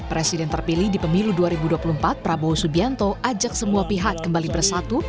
presiden terpilih di pemilu dua ribu dua puluh empat prabowo subianto ajak semua pihak kembali bersatu